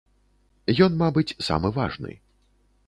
Ён, мабыць, самы важны.